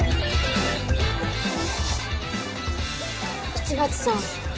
市松さん。